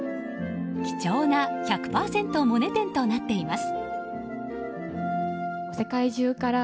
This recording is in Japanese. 貴重な１００％モネ展となっています。